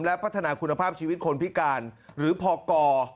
และพัฒนาคุณภาพชีวิตคนพิการหรือพอก